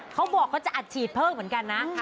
เขาบอกเขาจะอัดฉีดเพิ่มเหมือนกันนะ